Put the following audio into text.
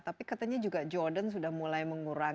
tapi katanya juga jordan sudah mulai menggunakan arab saudi